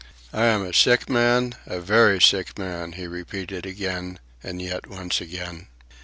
"I am a sick man, a very sick man," he repeated again, and yet once again.